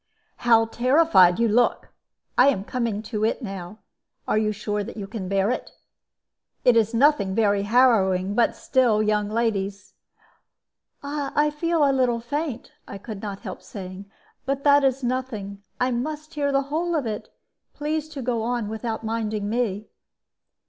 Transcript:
"How terrified you look! I am coming to it now. Are you sure that you can bear it? It is nothing very harrowing; but still, young ladies " "I feel a little faint," I could not help saying; "but that is nothing. I must hear the whole of it. Please to go on without minding me."